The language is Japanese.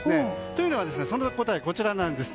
というのはその答えがこちらです。